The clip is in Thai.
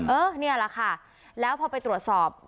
เออนี่แหละค่ะแล้วพอไปตรวจสอบ